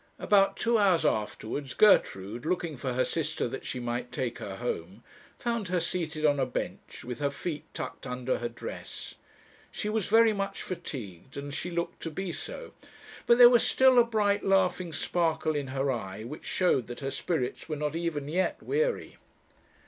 About two hours afterwards, Gertrude, looking for her sister that she might take her home, found her seated on a bench, with her feet tucked under her dress. She was very much fatigued, and she looked to be so; but there was still a bright laughing sparkle in her eye, which showed that her spirits were not even yet weary.